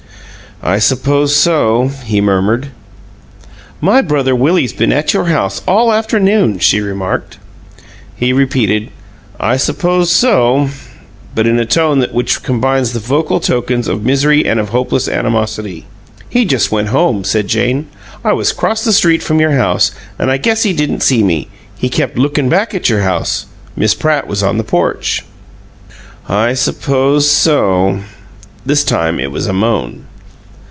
"I suppose so," he murmured. "My brother Willie's been at your house all afternoon," she remarked. He repeated, "I suppose so," but in a tone which combined the vocal tokens of misery and of hopeless animosity. "He just went home," said Jane. "I was 'cross the street from your house, but I guess he didn't see me. He kept lookin' back at your house. Miss Pratt was on the porch." "I suppose so." This time it was a moan.